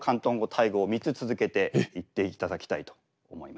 タイ語を３つ続けて言っていただきたいと思います。